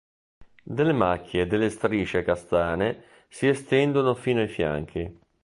Delle macchie e delle strisce castane si estendono fino ai fianchi.